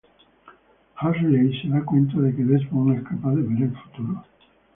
Hurley se da cuenta de que Desmond es capaz de ver el futuro.